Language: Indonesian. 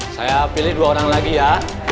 saya pilih dua orang lagi ya